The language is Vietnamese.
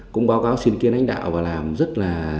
cũng báo cáo xin kiến ánh đạo và làm rất là